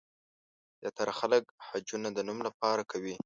زیاتره خلک حجونه د نوم لپاره کوي.